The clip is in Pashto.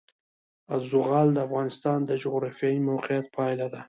زغال د افغانستان د جغرافیایي موقیعت پایله ده.